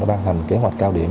đã ban thành kế hoạch cao điểm